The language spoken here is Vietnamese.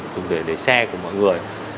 tùng để đẩy xe của mọi người